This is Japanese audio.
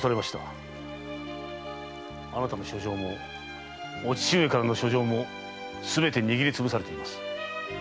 あなたの書状もお父上からの書状もすべて握りつぶされています。